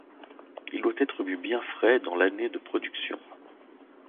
Il doit être bu bien frais dans l'année de production.